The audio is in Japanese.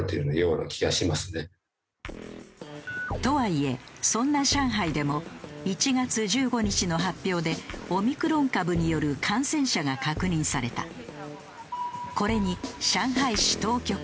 とはいえそんな上海でも１月１５日の発表でオミクロン株による感染者が確認された。